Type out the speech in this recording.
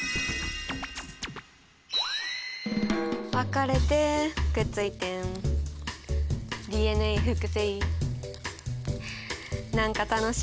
分かれてくっついてＤＮＡ複製何か楽しい。